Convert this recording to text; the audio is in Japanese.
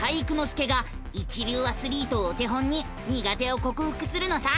介が一流アスリートをお手本に苦手をこくふくするのさ！